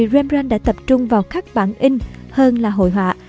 rembrandt đã tập trung vào khắc bản in hơn là hội họa